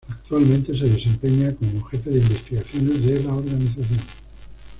Actualmente se desempeña como jefe de investigaciones de la organización.